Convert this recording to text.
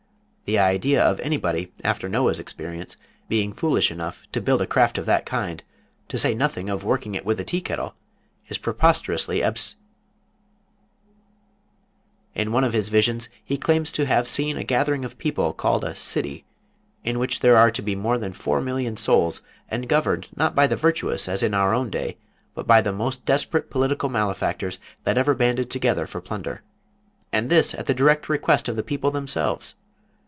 The idea of anybody, after Noah's experience, being foolish enough to build a craft of that kind, to say nothing of working it with a tea kettle, is preposterously abs ... In one of his visions he claims to have seen a gathering of people, called a city, in which there are to be more than four million souls, and governed not by the virtuous, as in our own day, but by the most desperate political malefactors that ever banded together for plunder, and this at the direct request of the people themselves!